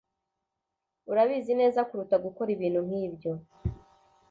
urabizi neza kuruta gukora ibintu nkibyo